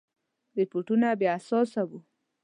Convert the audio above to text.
رپوټونه بې اساسه وه.